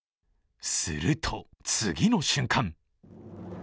すると、次の瞬間！